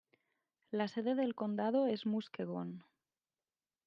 La sede del condado es Muskegon.